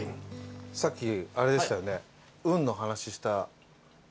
さっきあれでしたよね。